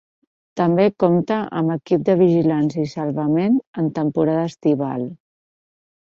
També compta amb equip de vigilància i salvament en temporada estival.